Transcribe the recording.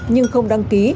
nhưng không đăng ký